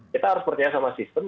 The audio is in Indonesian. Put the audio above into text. kita harus percaya sama sistem